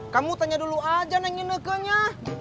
kamu tanya dulu aja neng ineke nya